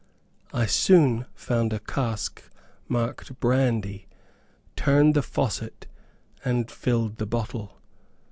I soon found a cask marked "brandy," turned the faucet, and filled the bottle.